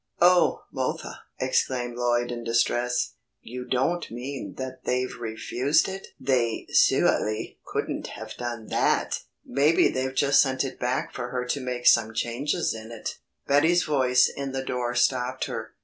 "Oh, mothah!" exclaimed Lloyd in distress. "You don't mean that they've refused it! They suahly couldn't have done that! Maybe they've just sent it back for her to make some changes in it." Betty's voice in the door stopped her.